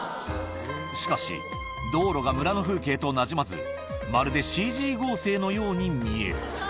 しかし、道路が村の風景となじまず、まるでＣＧ合成のように見える。